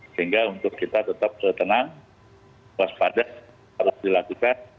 sehingga untuk kita tetap tenang waspada harus dilakukan